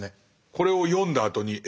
これを読んだあとにえ